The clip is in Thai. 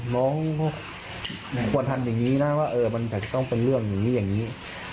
เขาก็ควรทำอย่างนี้นะว่ามันจะต้องเป็นเรื่องอย่างนี้อย่างนี้